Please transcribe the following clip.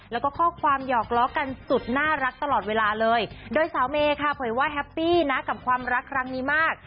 แล้วก็ข้อความหยอกล้อกันสุดน่ารักตลอดเวลาเลยโดยสาวเมย์ค่ะเผยว่าแฮปปี้นะกับความรักครั้งนี้มาก